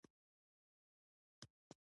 خبرو انسان ته عزت ورکوي.